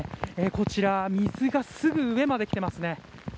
こちら水がすぐ上まできていますね。